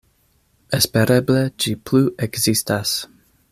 Espereble ĝi plu ekzistas.